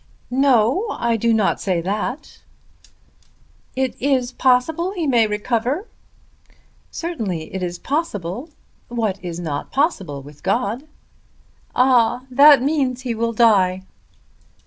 "No; I do not say that." "It is possible that he may recover?" "Certainly it is possible. What is not possible with God?" "Ah; that means that he will die."